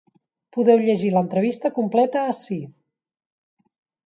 Podeu llegir l’entrevista completa ací.